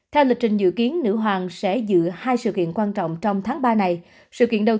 theo lịch trình dự kiến nữ hoàng sẽ giữ hai sự kiện quan trọng trong tháng ba này sự kiện đầu